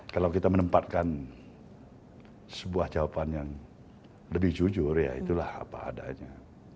kalau kita menempatkan sebuah jawaban yang lebih jujur ya itulah apa adanya